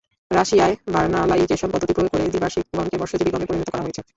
রাশিয়ায় ভার্নালাইজেশন পদ্ধতি প্রয়োগ করে দ্বিবার্ষিক গমকে বর্ষজীবী গমে পরিণত করা হয়েছে।